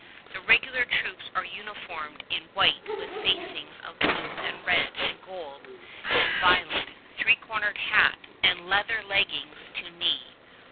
The regular troops are uniformed in white with facings of blue and red and gold and violet, three cornered hat, and leather leggings to knee.